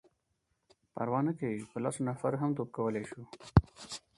_پروا نه کوي،. په لسو نفرو هم توپ کولای شو.